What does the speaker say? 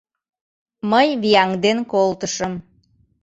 Мый вияҥден колтышым.